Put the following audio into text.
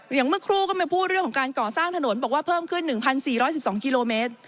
อย่างเมื่อครูก็มาพูดเรื่องของการก่อสร้างถนนบอกว่าเพิ่มขึ้น๑๔๑๒กิโลเมตร